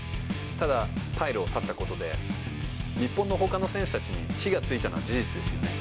ただ、退路を断ったことで、日本のほかの選手たちに火がついたのは事実ですよね。